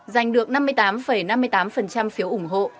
giành được năm mươi tám năm mươi tám phiếu ủng hộ